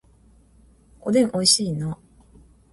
おでん美味しいな